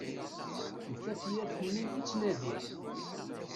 D tafyirt-nni i ttnadiɣ!